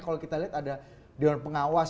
kalau kita lihat ada dewan pengawas